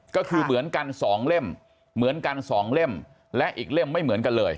ก็คือเหมือนกัน๒เล่มเหมือนกัน๒เล่มและอีกเล่มไม่เหมือนกันเลย